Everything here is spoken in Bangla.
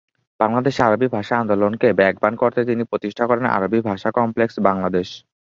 বাংলাদেশে আরবি ভাষা আন্দোলনকে বেগবান করতে তিনি প্রতিষ্ঠা করেন ‘আরবি ভাষা কমপ্লেক্স বাংলাদেশ’।